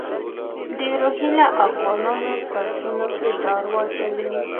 د روهیله افغانانو په زړونو کې ډار واچوي.